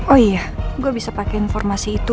oh iya gue bisa pakai informasi itu